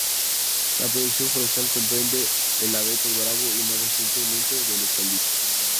La producción forestal comprende el abeto bravo y más recientemente el eucalipto.